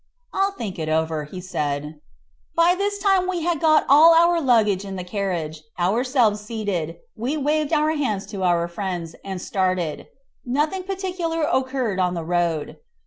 "I'll think it over," said he. By this time we had got all our luggage in the carriage, ourselves seated, we waved our hands to our friends, and started. Nothing particular occurred on the road.